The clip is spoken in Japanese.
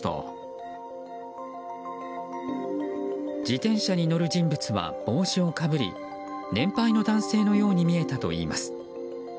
自転車に乗る人物は帽子をかぶり年配の男性のように見えたといいます。